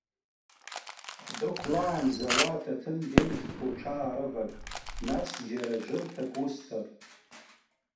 Ҳдәықәлаанӡа уа аҭаҭын денгьқәа уҽаарывак, нас џьара жырҭак усҭап.